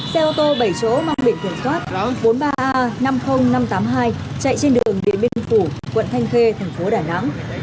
xe ô tô bảy chỗ mang biển kiểm soát bốn mươi ba a năm mươi nghìn năm trăm tám mươi hai chạy trên đường điện biên phủ quận thanh khê thành phố đà nẵng